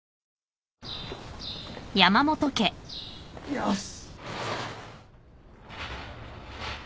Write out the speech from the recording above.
よし。